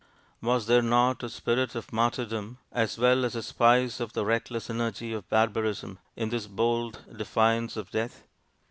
Was there not a spirit of martyrdom as well as a spice of the reckless energy of barbarism in this bold defiance of death?